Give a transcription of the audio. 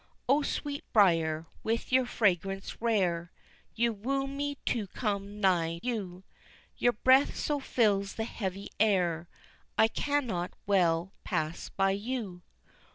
O Sweetbriar, with your fragrance rare You woo me to come nigh you, Your breath so fills the heavy air I cannot well pass by you!